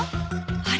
あれ？